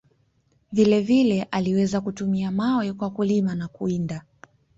Vile vile, aliweza kutumia mawe kwa kulima na kuwinda.